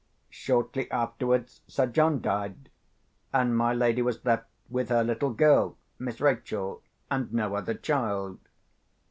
Shortly afterwards Sir John died, and my lady was left with her little girl, Miss Rachel, and no other child.